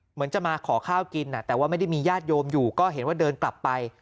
เหมือนจะมาขอข้าวกินแต่ว่าไม่ได้มีญาติโยมอยู่ก็เห็นว่าเดินกลับไป